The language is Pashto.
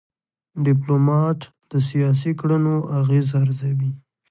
ډيپلومات د سیاسي کړنو اغېز ارزوي.